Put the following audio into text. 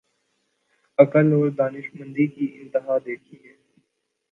عقل اور دانشمندی کی انتہا دیکھیے۔